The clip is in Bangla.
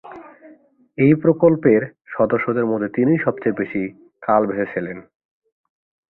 এই প্রকল্পের সদস্যদের মধ্যে তিনিই সবচেয়ে বেশি কাল বেচে ছিলেন।